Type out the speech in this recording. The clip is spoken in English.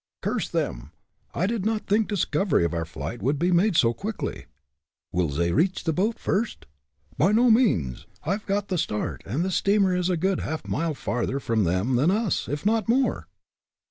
"Curse them! I did not think discovery of our flight would be made so quickly." "Will zey reach ze boat first?" "By no means. I've got the start, and the steamer is a good half a mile farther from them than us, if not more!"